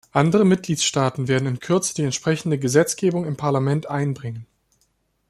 Andere Mitgliedstaaten werden in Kürze die entsprechende Gesetzgebung im Parlament einbringen.